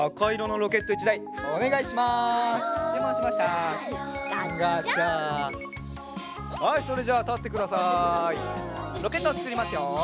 ロケットをつくりますよ。